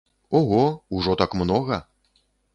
Ого, ужо так многа!